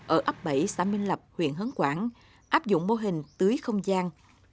ở ấp bảy xã minh lập huyện hớn quảng áp dụng mô hình tưới không gian